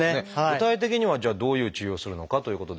具体的にはじゃあどういう治療をするのかということですが。